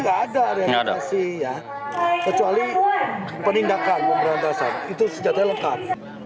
kalau rehabilitasi tidak ada kecuali penindakan yang berantasan itu senjatanya lekat